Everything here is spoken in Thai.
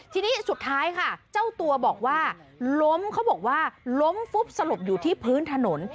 ทีนี้สุดท้ายค่ะเจ้าตัวบอกว่าล้มเขาบอกว่าล้มฟุบสลบอยู่ที่พื้นถนน